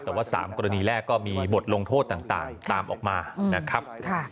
แต่ว่า๓กรณีแรกก็มีบทลงโทษต่างตามออกมานะครับ